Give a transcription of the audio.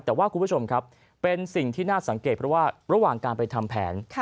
แต่ว่าคุณผู้ชมครับเป็นสิ่งที่น่าสังเกตเพราะว่าระหว่างการไปทำแผน